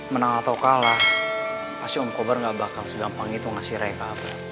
menang atau kalah pasti om kobar gak bakal segampang itu ngasih rekap